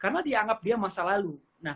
karena dianggap dia masa lalu